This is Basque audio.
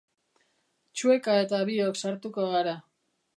Txueka eta biok sartuko gara.